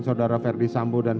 saudara ferdi sambo dan